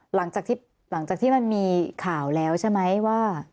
หลังจากที่มันมีข่าวแล้วใช่ไหมว่า